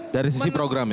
dari sisi program ya